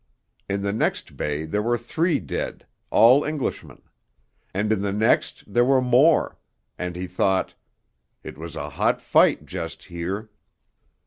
In the next bay there were three dead, all Englishmen; and in the next there were more and he thought, 'It was a hot fight just here.'